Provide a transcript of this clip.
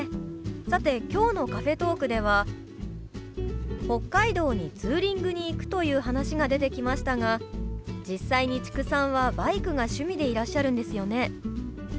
さて今日のカフェトークでは北海道にツーリングに行くという話が出てきましたが実際に知久さんはバイクが趣味でいらっしゃるんですよね？